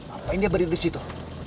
apaan dia berada di situ